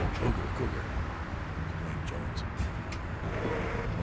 Cougar! Cougar!" exclaimed Jones.